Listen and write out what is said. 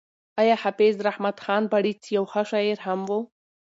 ایا حافظ رحمت خان بړیڅ یو ښه شاعر هم و؟